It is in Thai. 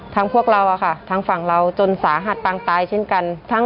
พวกเราอะค่ะทางฝั่งเราจนสาหัสปางตายเช่นกัน